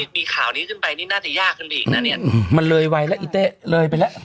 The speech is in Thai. มีข่าวนี้ขึ้นไปนี่น่าจะยากขึ้นไปอีกนะเนี่ยมันเลยไวแล้วอีเต้เลยไปแล้ว